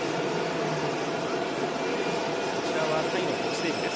こちらはタイの北西部です。